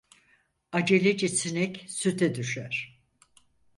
Aceleci sinek süte düşer.